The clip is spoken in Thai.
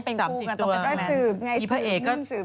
จำจิตตัวพระเอกก็